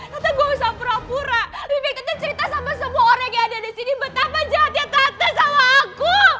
tante gua usah pura pura lebih baik tante cerita sama semua orang yang ada disini betapa jahatnya tante sama aku